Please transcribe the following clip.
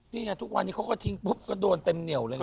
นี่ไงทุกวันนี้เขาก็ทิ้งปุ๊บก็โดนเต็มเหนียวเลย